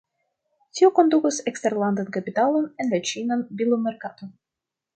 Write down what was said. Tio kondukos eksterlandan kapitalon en la ĉinan bilomerkaton.